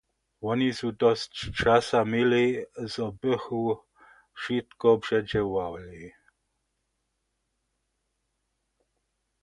Woni su dosć časa měli, zo bychu wšitko předźěłali.